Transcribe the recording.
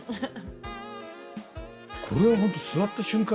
これは本当座った瞬間にね